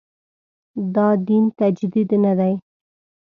دا دین تجدید نه دی.